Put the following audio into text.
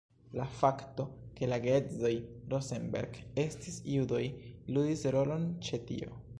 La fakto ke la geedzoj Rosenberg estis judoj, ludis rolon ĉe tio.